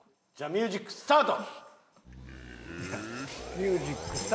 ミュージックスタート。